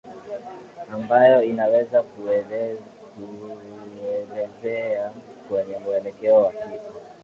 ambayo inaweza kukuelezea kwenye mwelekeo wa kitu